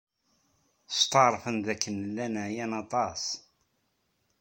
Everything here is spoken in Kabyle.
Steɛṛfen dakken llan ɛyan aṭas.